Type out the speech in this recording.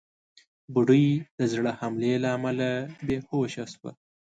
بوډۍ د زړه حملې له امله بېهوشه شوه.